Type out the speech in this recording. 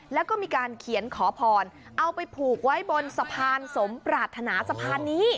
แล้วก็มีการเขียนขอพรเอาไปผูกไว้บนสะพานสมปรารถนาสะพานนี้